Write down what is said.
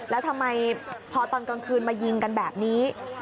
แล้วทำไมพอตอนกลางคืนมายิงกันแบบนี้